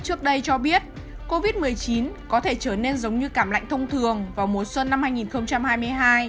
trước đây cho biết covid một mươi chín có thể trở nên giống như cảm lạnh thông thường vào mùa xuân năm hai nghìn hai mươi hai